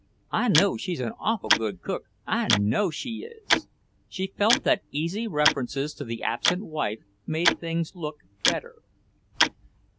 I know she's an awful good cook, I know she is." She felt that easy references to the absent wife made things look better.